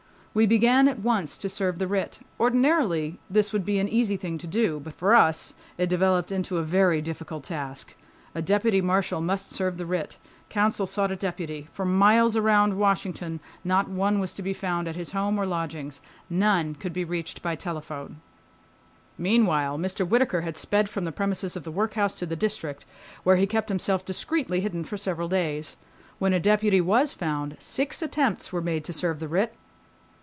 We began at once to serve the writ. Ordinarily this would be an easy thing to do. But for us it developed into a very difficult task. A deputy marshal must serve the writ. Counsel sought a deputy. For miles around Washington, not one was to be found at his home or lodgings. None could be reached by telephone. Meanwhile Mr. Whittaker, had sped from the premises of the workhouse to the District, where he kept himself discreetly hidden for several days. When a deputy was found, six attempts were made to serve the writ.